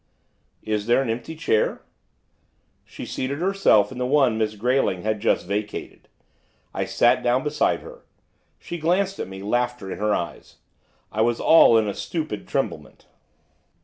'Is there an empty chair?' She seated herself in the one Miss Grayling had just vacated. I sat down beside her. She glanced at me, laughter in her eyes. I was all in a stupid tremblement.